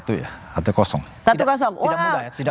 tidak mudah ya tidak mudah